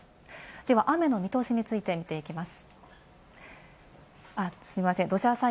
では雨の見通しについて見ていきます。